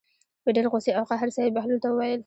په ډېرې غوسې او قهر سره یې بهلول ته وویل.